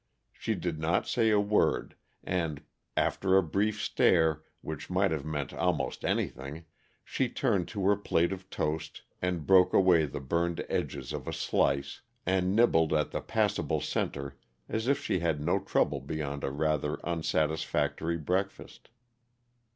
She did not say a word, and, after a brief stare which might have meant almost anything, she turned to her plate of toast and broke away the burned edges of a slice and nibbled at the passable center as if she had no trouble beyond a rather unsatisfactory breakfast.